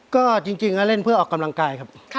ก็จริงก็เล่นเพื่อออกกำลังกายครับ